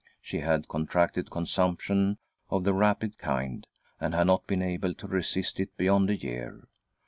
She had contracted consumption of the rapid kind, arid had not been. able to resist it beyond a year.